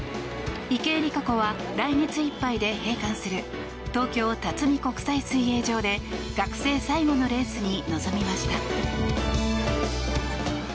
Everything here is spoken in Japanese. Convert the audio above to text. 池江璃花子は来月いっぱいで閉館する東京辰巳国際水泳場で学生最後のレースに臨みました。